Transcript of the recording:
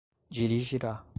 dirigirá